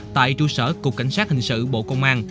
tại trụ sở cục cảnh sát hình sự bộ công an